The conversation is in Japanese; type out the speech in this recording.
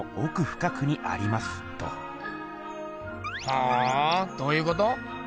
ほおどういうこと？